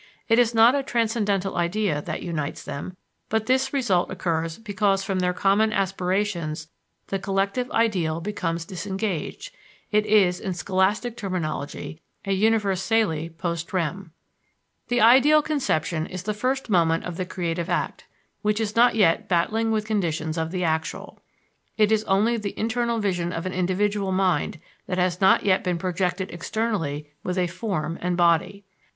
It is not a transcendental idea that unites them; but this result occurs because from their common aspirations the collective ideal becomes disengaged; it is, in scholastic terminology, a universale post rem. The ideal conception is the first moment of the creative act, which is not yet battling with the conditions of the actual. It is only the internal vision of an individual mind that has not yet been projected externally with a form and body.